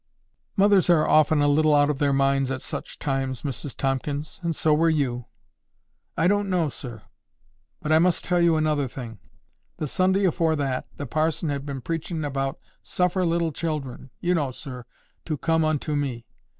"Mothers are often a little out of their minds at such times, Mrs Tomkins. And so were you." "I don't know, sir. But I must tell you another thing. The Sunday afore that, the parson had been preachin' about 'Suffer little children,' you know, sir, 'to come unto me.